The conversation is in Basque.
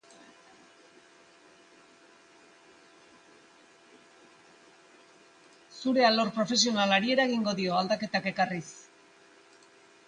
Zure alor profesionalari eragingo dio, aldaketak ekarriz.